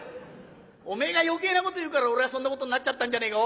おめえが余計なこと言うから俺がそんなことなっちゃったんじゃねえか。